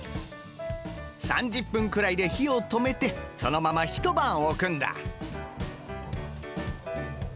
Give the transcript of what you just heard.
３０分くらいで火を止めてそのまま１晩置くんだ。